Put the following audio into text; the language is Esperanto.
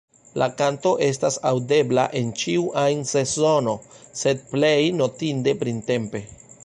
La kanto estas aŭdebla en ĉiu ajn sezono, sed plej notinde printempe.